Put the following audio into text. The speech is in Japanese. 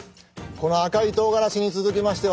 この赤いとうがらしに続きましてはね